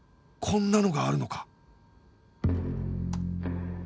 こんなのがあるのか